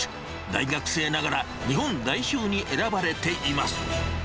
大学生ながら、日本代表に選ばれています。